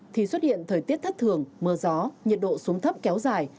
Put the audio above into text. thì xuất hiện thời tiết thất thường mưa gió nhiệt độ xuống thấp kéo dài